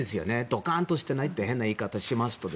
ドカーンとしていないと変な言い方をしますと。